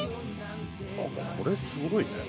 あっこれすごいね。